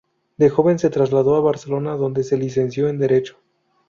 De joven se trasladó a Barcelona donde se licenció en Derecho.